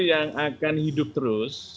yang akan hidup terus